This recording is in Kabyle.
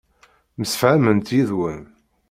Msefhament yid-wen.